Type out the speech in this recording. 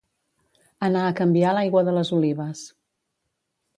Anar a canviar l'aigua de les olives